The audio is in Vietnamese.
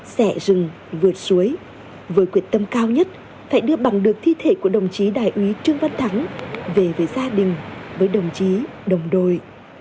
xẻ rừng vượt suối với quyết tâm cao nhất phải đưa bằng được thi thể của đồng chí đại úy trương văn thắng về với gia đình với đồng chí đồng đội